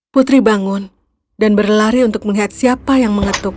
putri bangun dan berlari untuk melihat siapa yang mengetuk